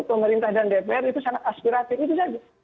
pemerintah dan dpr itu sangat aspiratif itu saja